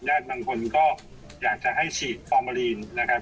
บางคนก็อยากจะให้ฉีดฟอร์มาลีนนะครับ